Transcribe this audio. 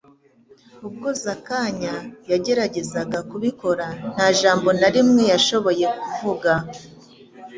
ubwo Zakanya yageragezaga kubikora nta jambo na rimwe yashoboye kuvuga.